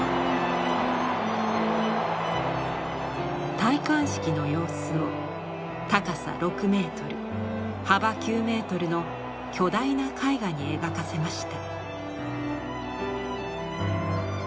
戴冠式の様子を高さ６メートル幅９メートルの巨大な絵画に描かせました。